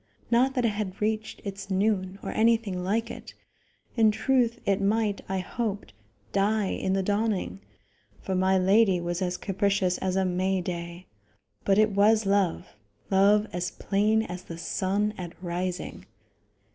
Not that it had reached its noon, or anything like it. In truth, it might, I hoped, die in the dawning, for my lady was as capricious as a May day; but it was love love as plain as the sun at rising.